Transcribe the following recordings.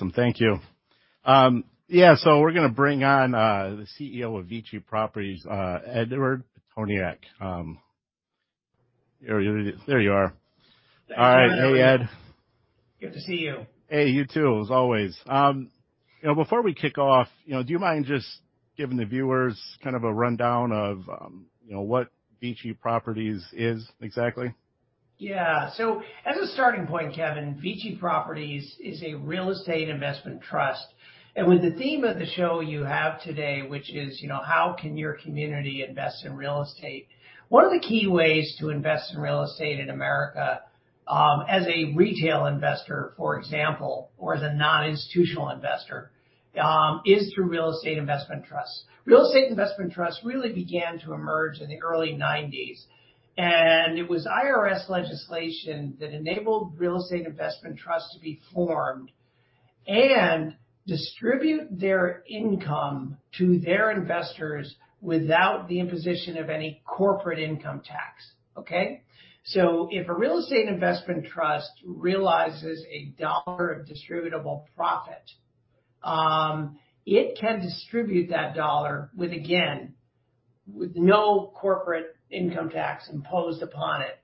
Awesome. Thank you. We're going to bring on the CEO of VICI Properties, Edward Pitoniak. There you are. Thanks for having me. All right. Hey, Ed. Good to see you. Hey, you too, as always. Before we kick off, do you mind just giving the viewers kind of a rundown of what VICI Properties is, exactly? Yeah. As a starting point, Kevin, VICI Properties is a real estate investment trust. With the theme of the show you have today, which is how can your community invest in real estate, one of the key ways to invest in real estate in America, as a retail investor, for example, or as a non-institutional investor, is through real estate investment trusts. Real estate investment trusts really began to emerge in the early '90s, it was IRS legislation that enabled real estate investment trusts to be formed and distribute their income to their investors without the imposition of any corporate income tax. Okay? If a real estate investment trust realizes $1 of distributable profit, it can distribute that $1 with, again, no corporate income tax imposed upon it.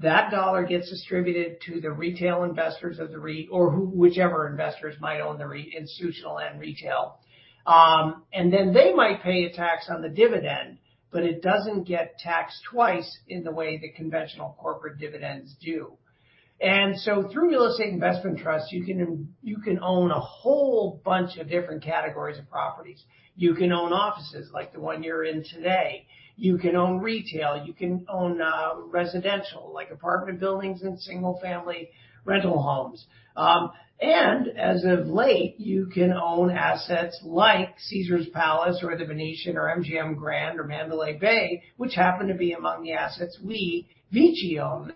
That dollar gets distributed to the retail investors of the REIT or whichever investors might own the REIT, institutional and retail. Then they might pay a tax on the dividend, but it doesn't get taxed twice in the way that conventional corporate dividends do. Through real estate investment trusts, you can own a whole bunch of different categories of properties. You can own offices like the one you're in today. You can own retail. You can own residential, like apartment buildings and single-family rental homes. As of late, you can own assets like Caesars Palace or The Venetian or MGM Grand or Mandalay Bay, which happen to be among the assets we, VICI, own.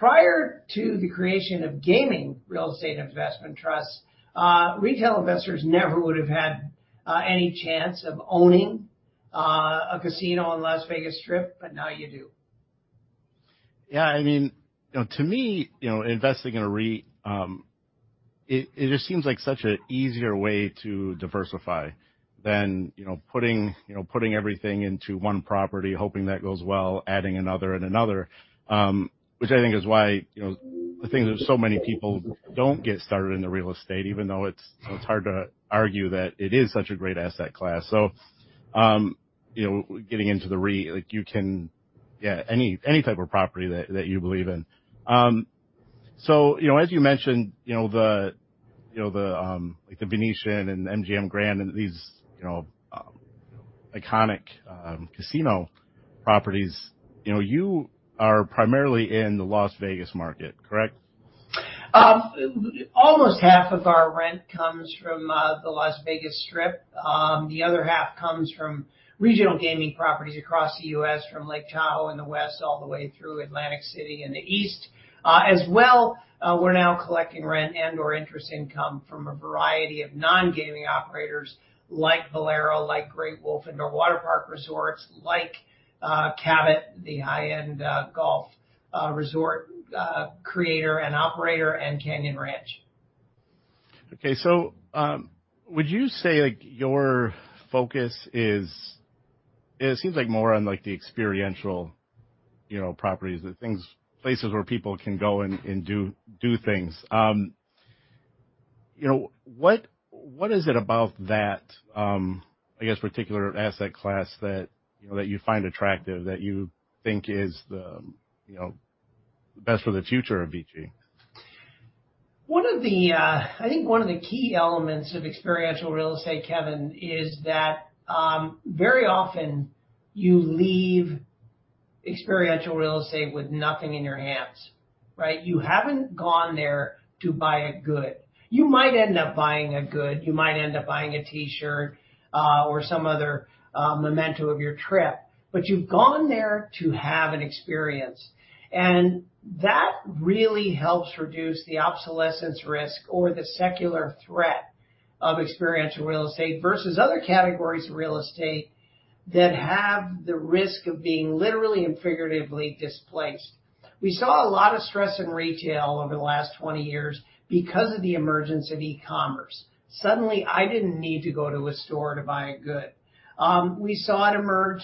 Prior to the creation of gaming real estate investment trusts, retail investors never would have had any chance of owning a casino on the Las Vegas Strip, but now you do. Yeah. To me, investing in a REIT, it just seems like such an easier way to diversify than putting everything into one property, hoping that goes well, adding another and another. Which I think is why the thing that so many people don't get started into real estate, even though it's hard to argue that it is such a great asset class. Getting into the REIT, you can, yeah, any type of property that you believe in. As you mentioned, the Venetian and MGM Grand and these iconic casino properties. You are primarily in the Las Vegas market, correct? Almost half of our rent comes from the Las Vegas Strip. The other half comes from regional gaming properties across the U.S., from Lake Tahoe in the west all the way through Atlantic City in the east. As well, we're now collecting rent and/or interest income from a variety of non-gaming operators like Bowlero, like Great Wolf Resorts, like Cabot, the high-end golf resort creator and operator, and Canyon Ranch. Okay. Would you say your focus is It seems more on the experiential properties, the places where people can go and do things. What is it about that, I guess, particular asset class that you find attractive, that you think is the best for the future of VICI? I think one of the key elements of experiential real estate, Kevin, is that very often you leave experiential real estate with nothing in your hands. Right? You haven't gone there to buy a good. You might end up buying a good, you might end up buying a T-shirt or some other memento of your trip, but you've gone there to have an experience. That really helps reduce the obsolescence risk or the secular threat of experiential real estate versus other categories of real estate that have the risk of being literally and figuratively displaced. We saw a lot of stress in retail over the last 20 years because of the emergence of e-commerce. Suddenly, I didn't need to go to a store to buy a good. We saw it emerge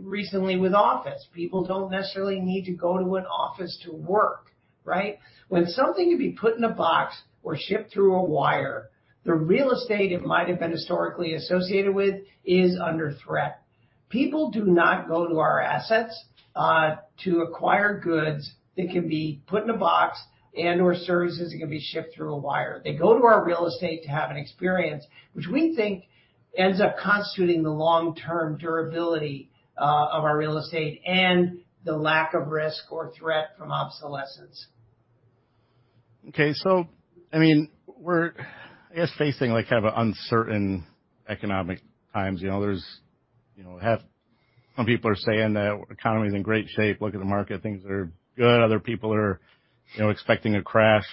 recently with office. People don't necessarily need to go to an office to work, right? When something can be put in a box or shipped through a wire, the real estate it might have been historically associated with is under threat. People do not go to our assets to acquire goods that can be put in a box and/or services that can be shipped through a wire. They go to our real estate to have an experience, which we think ends up constituting the long-term durability of our real estate and the lack of risk or threat from obsolescence. Okay. We're, I guess, facing kind of uncertain economic times. Some people are saying that our economy's in great shape. Look at the market, things are good. Other people are expecting a crash.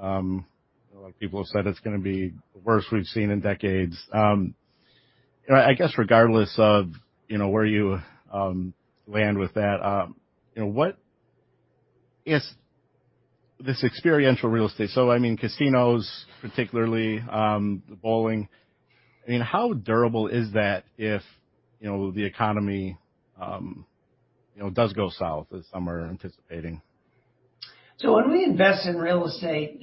A lot of people have said it's going to be the worst we've seen in decades. I guess regardless of where you land with that, Yes, this experiential real estate, so I mean, casinos particularly, the bowling, how durable is that if the economy does go south as some are anticipating? When we invest in real estate,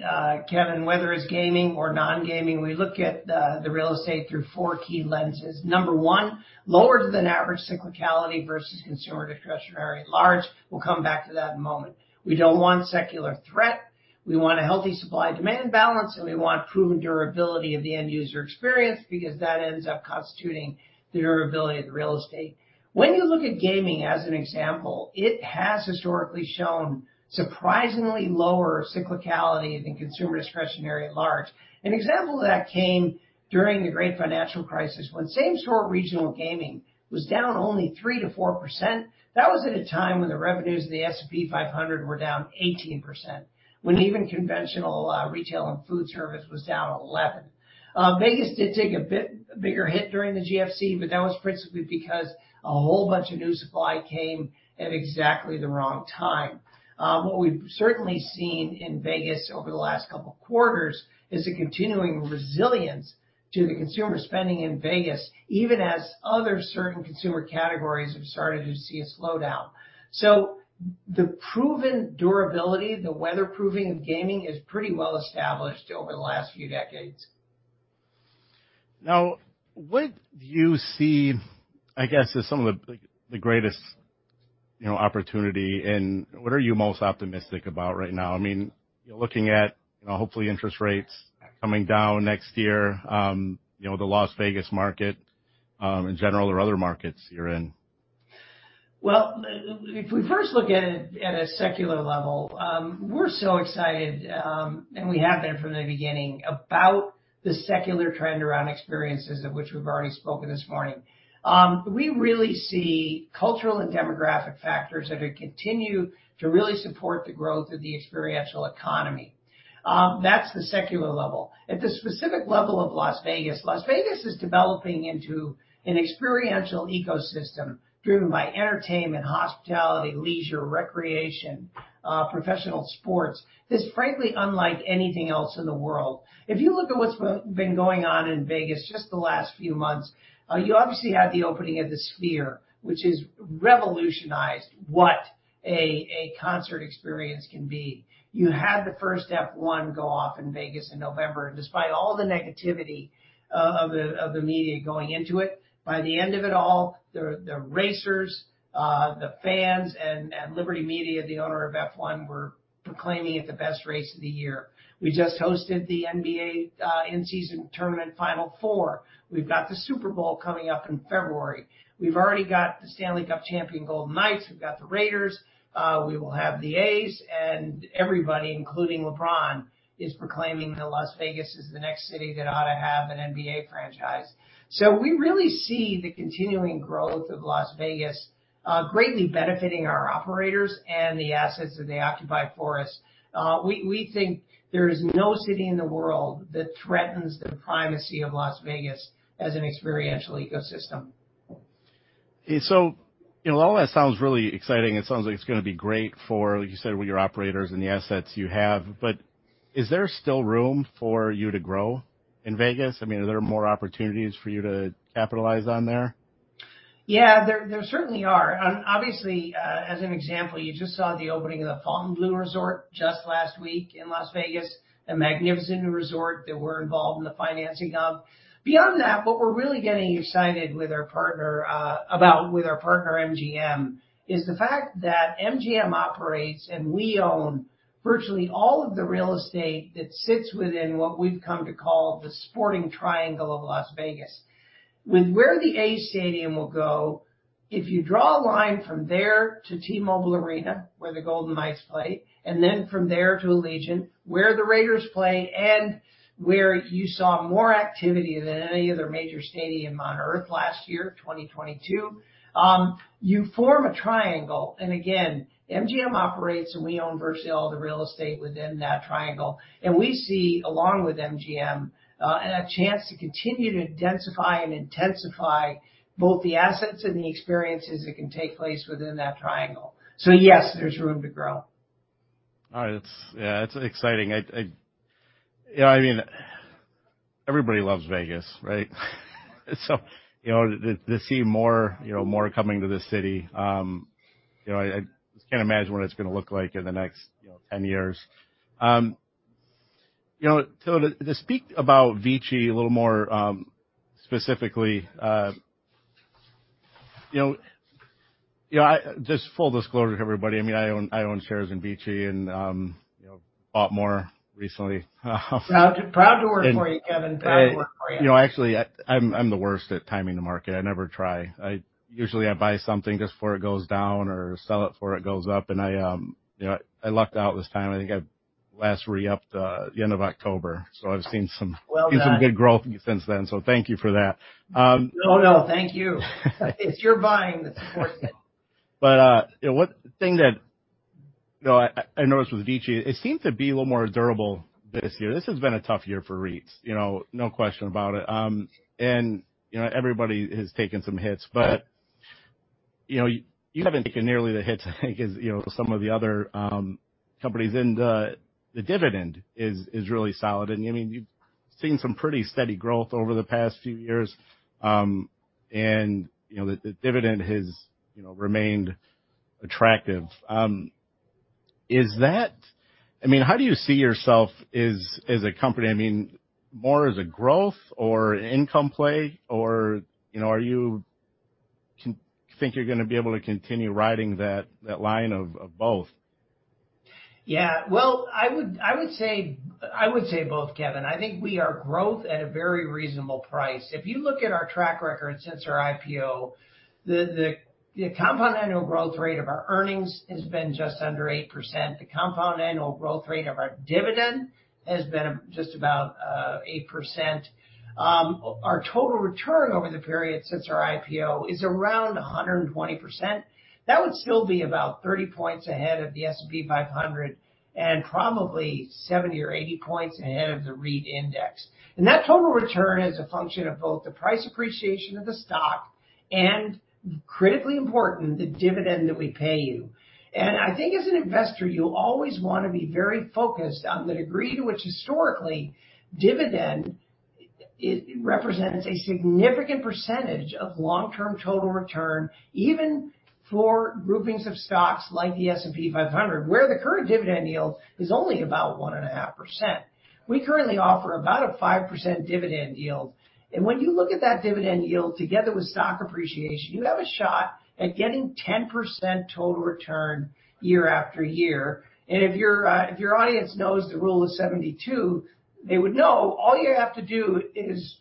Kevin, whether it's gaming or non-gaming, we look at the real estate through four key lenses. Number 1, lower than average cyclicality versus consumer discretionary at large. We'll come back to that in a moment. We don't want secular threat. We want a healthy supply-demand balance, and we want proven durability of the end-user experience because that ends up constituting the durability of the real estate. When you look at gaming as an example, it has historically shown surprisingly lower cyclicality than consumer discretionary at large. An example of that came during the great financial crisis, when same store regional gaming was down only 3% to 4%. That was at a time when the revenues of the S&P 500 were down 18%, when even conventional retail and food service was down 11. Vegas did take a bigger hit during the GFC, but that was principally because a whole bunch of new supply came at exactly the wrong time. What we've certainly seen in Vegas over the last couple of quarters is a continuing resilience to the consumer spending in Vegas, even as other certain consumer categories have started to see a slowdown. The proven durability, the weather-proofing of gaming is pretty well established over the last few decades. What do you see, I guess, as some of the greatest opportunity, and what are you most optimistic about right now? You are looking at hopefully interest rates coming down next year, the Las Vegas market in general or other markets you are in. If we first look at it at a secular level, we're so excited, and we have been from the beginning, about the secular trend around experiences of which we've already spoken this morning. We really see cultural and demographic factors that continue to really support the growth of the experiential economy. That's the secular level. At the specific level of Las Vegas, Las Vegas is developing into an experiential ecosystem driven by entertainment, hospitality, leisure, recreation, professional sports, that's frankly unlike anything else in the world. If you look at what's been going on in Vegas just the last few months, you obviously had the opening of the Sphere, which has revolutionized what a concert experience can be. You had the first F1 go off in Vegas in November. Despite all the negativity of the media going into it, by the end of it all, the racers, the fans, and Liberty Media, the owner of F1, were proclaiming it the best race of the year. We just hosted the NBA in-season tournament Final Four. We've got the Super Bowl coming up in February. We've already got the Stanley Cup champion Golden Knights. We've got the Raiders. We will have the A's and everybody, including LeBron, is proclaiming that Las Vegas is the next city that ought to have an NBA franchise. We really see the continuing growth of Las Vegas greatly benefiting our operators and the assets that they occupy for us. We think there is no city in the world that threatens the primacy of Las Vegas as an experiential ecosystem. All that sounds really exciting. It sounds like it's going to be great for, like you said, with your operators and the assets you have. Is there still room for you to grow in Vegas? Are there more opportunities for you to capitalize on there? Yeah, there certainly are. Obviously, as an example, you just saw the opening of the Fontainebleau Resort just last week in Las Vegas, a magnificent new resort that we're involved in the financing of. Beyond that, what we're really getting excited about with our partner, MGM, is the fact that MGM operates and we own virtually all of the real estate that sits within what we've come to call the sporting triangle of Las Vegas. With where the A's stadium will go, if you draw a line from there to T-Mobile Arena, where the Golden Knights play, and then from there to Allegiant, where the Raiders play, and where you saw more activity than any other major stadium on Earth last year, 2022, you form a triangle. Again, MGM operates and we own virtually all the real estate within that triangle. We see, along with MGM, a chance to continue to densify and intensify both the assets and the experiences that can take place within that triangle. Yes, there's room to grow. All right. It's exciting. Everybody loves Vegas. To see more coming to the city, I just can't imagine what it's going to look like in the next 10 years. To speak about VICI a little more specifically, just full disclosure to everybody, I own shares in VICI and bought more recently. Proud to work for you, Kevin. Proud to work for you. Actually, I'm the worst at timing the market. I never try. Usually, I buy something just before it goes down or sell it before it goes up, and I lucked out this time. I think I last re-upped the end of October, so I've seen some- Well done. good growth since then. Thank you for that. No, thank you. It's your buying that supports it. One thing that I noticed with VICI, it seemed to be a little more durable this year. This has been a tough year for REITs, no question about it. Everybody has taken some hits, you haven't taken nearly the hit, I think, as some of the other companies, and the dividend is really solid. You've seen some pretty steady growth over the past few years. The dividend has remained attractive. How do you see yourself as a company? More as a growth or an income play, or do you think you're going to be able to continue riding that line of both? I would say both, Kevin. I think we are growth at a very reasonable price. If you look at our track record since our IPO, the compound annual growth rate of our earnings has been just under 8%. The compound annual growth rate of our dividend has been just about 8%. Our total return over the period since our IPO is around 120%. That would still be about 30 points ahead of the S&P 500 and probably 70 or 80 points ahead of the REIT index. That total return is a function of both the price appreciation of the stock and, critically important, the dividend that we pay you. I think as an investor, you always want to be very focused on the degree to which historically dividend represents a significant percentage of long-term total return, even for groupings of stocks like the S&P 500, where the current dividend yield is only about 1.5%. We currently offer about a 5% dividend yield. When you look at that dividend yield together with stock appreciation, you have a shot at getting 10% total return year after year. If your audience knows the rule of 72, they would know all you have to do is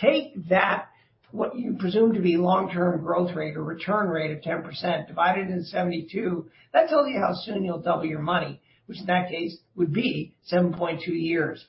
take that, what you presume to be long-term growth rate or return rate of 10%, divide it into 72. That tells you how soon you'll double your money, which in that case would be 7.2 years.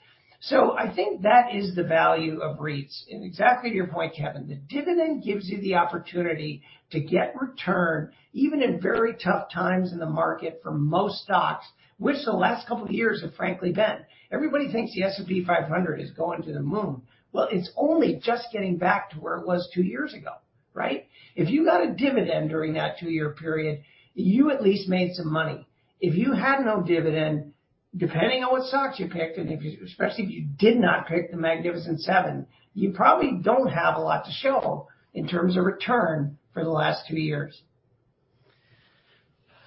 I think that is the value of REITs. Exactly to your point, Kevin, the dividend gives you the opportunity to get return, even in very tough times in the market for most stocks, which the last two years have frankly been. Everybody thinks the S&P 500 is going to the moon. Well, it's only just getting back to where it was two years ago. Right? If you got a dividend during that two-year period, you at least made some money. If you had no dividend, depending on what stocks you picked, and especially if you did not pick the Magnificent Seven, you probably don't have a lot to show in terms of return for the last two years.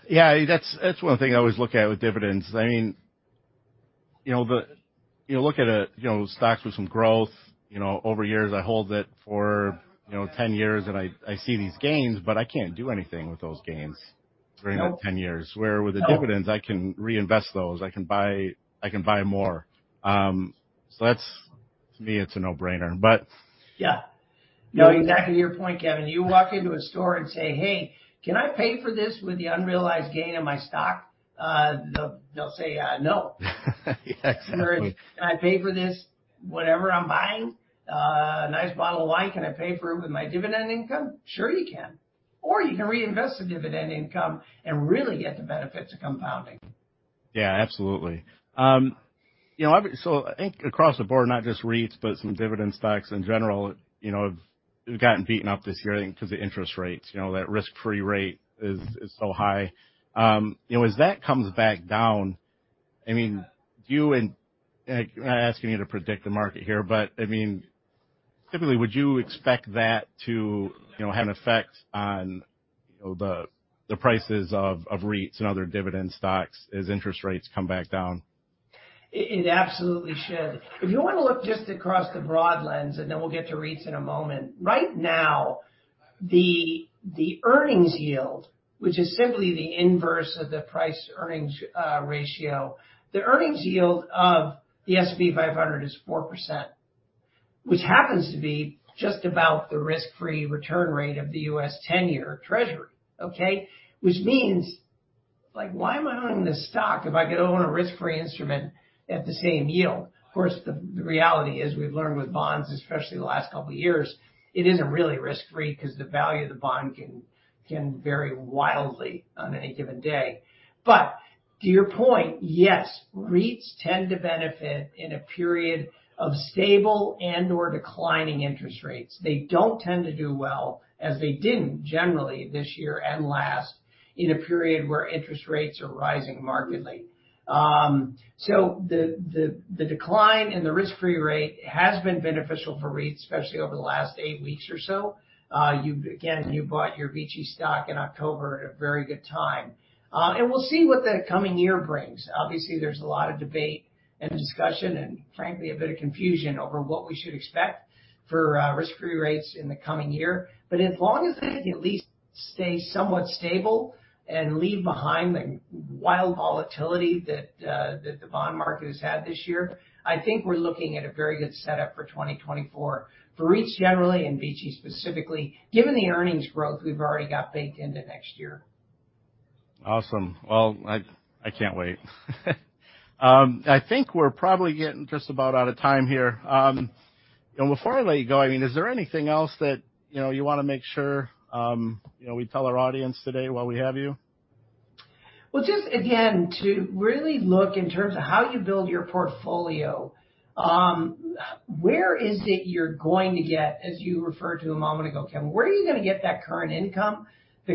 Yeah, that's one thing I always look at with dividends. You look at stocks with some growth, over years, I hold it for 10 years, and I see these gains, but I can't do anything with those gains during that 10 years. Where with the dividends, I can reinvest those. I can buy more. That's, to me, it's a no-brainer. Yeah. No, exactly to your point, Kevin. You walk into a store and say, "Hey, can I pay for this with the unrealized gain in my stock?" They'll say, "No. Yeah, exactly. Can I pay for this, whatever I'm buying, a nice bottle of wine, can I pay for it with my dividend income? Sure, you can. You can reinvest the dividend income and really get the benefits of compounding. Yeah, absolutely. I think across the board, not just REITs, but some dividend stocks in general, have gotten beaten up this year, I think because of interest rates. That risk-free rate is so high. As that comes back down, I'm not asking you to predict the market here, typically, would you expect that to have an effect on the prices of REITs and other dividend stocks as interest rates come back down? It absolutely should. If you want to look just across the broad lens, and then we'll get to REITs in a moment. Right now, the earnings yield, which is simply the inverse of the price-earnings ratio, the earnings yield of the S&P 500 is 4%, which happens to be just about the risk-free return rate of the U.S. 10-year Treasury. Okay? Which means, why am I owning this stock if I could own a risk-free instrument at the same yield? Of course, the reality is we've learned with bonds, especially the last couple of years, it isn't really risk-free because the value of the bond can vary wildly on any given day. To your point, yes, REITs tend to benefit in a period of stable and/or declining interest rates. They don't tend to do well, as they didn't generally this year and last, in a period where interest rates are rising markedly. The decline in the risk-free rate has been beneficial for REITs, especially over the last 8 weeks or so. Again, if you bought your VICI stock in October at a very good time. We'll see what the coming year brings. Obviously, there's a lot of debate and discussion, and frankly, a bit of confusion over what we should expect for risk-free rates in the coming year. As long as they at least stay somewhat stable and leave behind the wild volatility that the bond market has had this year, I think we're looking at a very good setup for 2024 for REITs generally and VICI specifically, given the earnings growth we've already got baked into next year. Awesome. Well, I can't wait. I think we're probably getting just about out of time here. Before I let you go, is there anything else that you want to make sure we tell our audience today while we have you? Just again, to really look in terms of how you build your portfolio. Where is it you're going to get, as you referred to a moment ago, Kevin, where are you going to get that current income that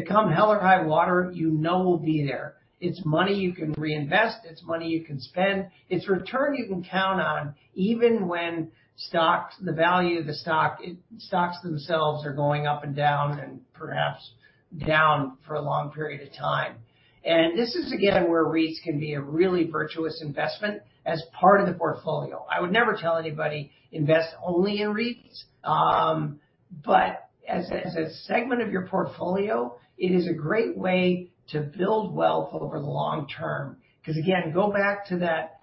come hell or high water, you know will be there? It's money you can reinvest, it's money you can spend, it's return you can count on, even when the value of the stock, stocks themselves are going up and down and perhaps down for a long period of time. This is, again, where REITs can be a really virtuous investment as part of the portfolio. I would never tell anybody, invest only in REITs. As a segment of your portfolio, it is a great way to build wealth over the long term. Again, go back to that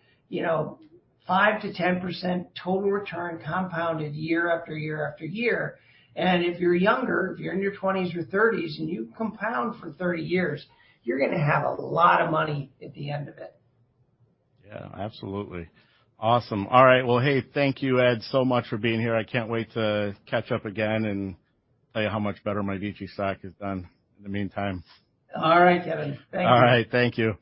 5%-10% total return compounded year after year after year. If you're younger, if you're in your 20s or 30s and you compound for 30 years, you're going to have a lot of money at the end of it. Yeah, absolutely. Awesome. All right. Well, hey, thank you, Ed, so much for being here. I can't wait to catch up again and tell you how much better my VICI stock has done in the meantime. All right, Kevin. Thank you. All right. Thank you.